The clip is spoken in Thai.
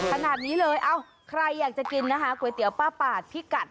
ขนาดนี้เลยเอ้าใครอยากจะกินนะคะก๋วยเตี๋ยวป้าปาดพี่กัด